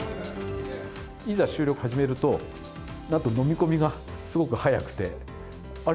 いざ収録始めると、なんと飲み込みがすごく早くて、あれ？